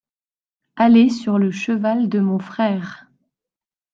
aller sur le cheval de mon frère.